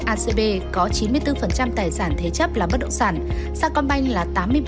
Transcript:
acb có chín mươi bốn tài sản thế chấp là bất động sản sacombank là tám mươi bảy